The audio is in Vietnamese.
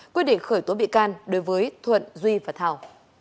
quyết định khởi tố bị can đối với thuận duy và thảo